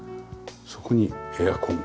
そこにエアコン。